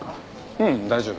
うん大丈夫。